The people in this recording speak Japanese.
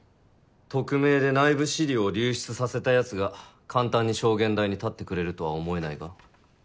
匿名で内部資料を流出させたヤツが簡単に証言台に立ってくれるとは思えないが？